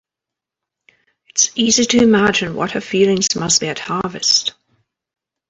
It is easy to imagine what her feelings must be at harvest.